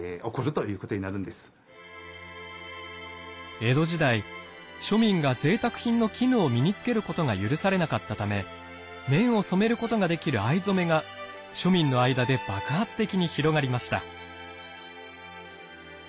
江戸時代庶民がぜいたく品の絹を身に着けることが許されなかったため綿を染めることができる藍染めが庶民の間で爆発的に広がりました。